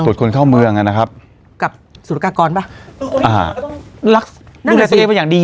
ทรวจคนเข้าเมืองน่ะนะครับกับศุรกากรบ้าอ่านั่งสิแล้วอย่างดี